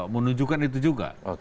menunjukkan itu juga